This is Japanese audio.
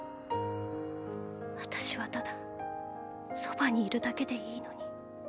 私はただそばにいるだけでいいのに。